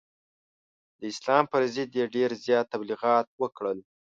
د اسلام پر ضد یې ډېر زیات تبلغیات وکړل.